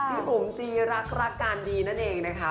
พี่บุ๋มจีรักรักการดีนั่นเองนะคะ